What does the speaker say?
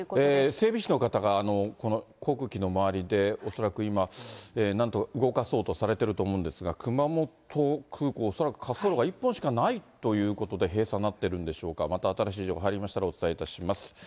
整備士の方が、この航空機の周りで、恐らく今、なんとか動かそうとされてると思うんですが、熊本空港、恐らく滑走路が１本しかないということで、閉鎖になってるんでしょうか、また新しい情報入りましたらお伝えいたします。